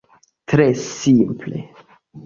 Tre simple.